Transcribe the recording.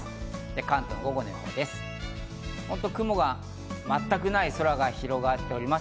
関東の午後の予報です。